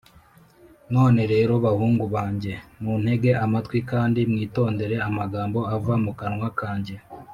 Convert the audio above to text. none rero bahungu banjye muntegere amatwi, kandi mwitondere amagambo ava mu kanwa kanjye